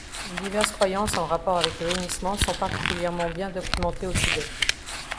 Diverses croyances en rapport avec le hennissement sont particulièrement bien documentées au Tibet.